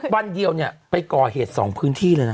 วันเดียวเนี่ยไปก่อเหตุ๒พื้นที่เลยนะ